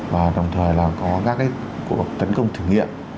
và đồng thời là có các cuộc tấn công thử nghiệm